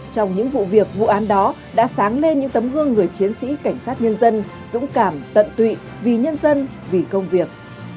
trong những vụ việc ngụ an đó đã sáng lên những tấm gương người chiến sĩ cảnh sát nhân dân dũng cảm tận tụy vì nhân dân vì công việc